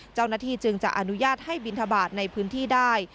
เจ้าหน้าที่จึงจะอนุญาตให้บินทบาทในพื้นที่ได้